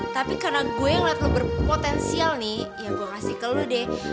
tapi karena gue ngeliat lo berpotensial nih ya gue kasih ke lo deh